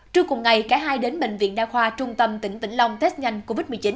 trước cùng ngày cả hai đến bệnh viện đa khoa trung tâm tỉnh vĩnh long test nhanh covid một mươi chín